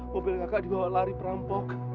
mobil kakak dibawa lari perampok